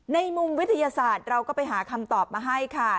ในมุมวิทยาศาสตร์เราก็ไปหาคำตอบมาให้ค่ะ